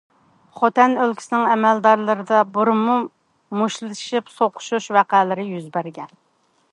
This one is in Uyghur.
خۇنەن ئۆلكىسىنىڭ ئەمەلدارلىرىدا بۇرۇنمۇ مۇشتلىشىپ سوقۇشۇش ۋەقەلىرى يۈز بەرگەن.